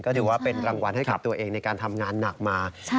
ถือว่าเป็นรางวัลให้กับตัวเองในการทำงานหนักมา